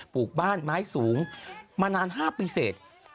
ปลูกบ้านไม้สูงมานาน๕ปีเสร็จ